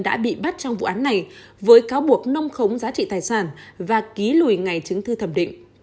đã bị bắt trong vụ án này với cáo buộc nâng khống giá trị tài sản và ký lùi ngày chứng thư thẩm định